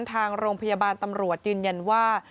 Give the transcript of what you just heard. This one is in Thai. ทางโรงพยาบาลตำรวจยืนยันว่า